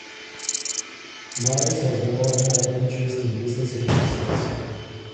Myers has long had an interest in business and investments.